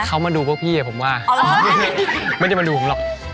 เขามาดูพวกพี่ผมว่าไม่ได้มาดูผมหรอก